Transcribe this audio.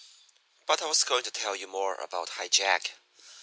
"But I was going to tell you more about High Jack.